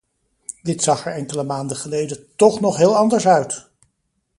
Dit zag er enkele maanden geleden toch nog heel anders uit!